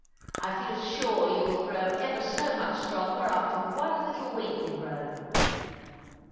I feel sure you will grow ever so much stronger after one little week in Rome."